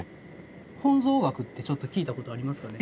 本草学って聞いたことありますかね？